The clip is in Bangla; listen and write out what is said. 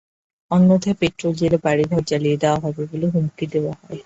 অন্যথায় পেট্রল ঢেলে বাড়িঘর জ্বালিয়ে দেওয়া হবে বলে হুমকি দেওয়া হয়।